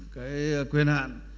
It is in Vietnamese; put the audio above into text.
cái quyền hạn